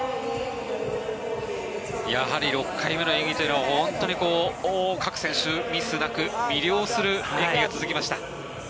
やはり６回目の演技というのは本当に各選手ミスなく魅了する演技が続きました。